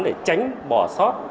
để tránh bỏ sót